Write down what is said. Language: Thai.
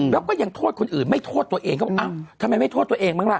แล้วก็ยังโทษคนอื่นไม่โทษตัวเองเขาบอกอ้าวทำไมไม่โทษตัวเองบ้างล่ะ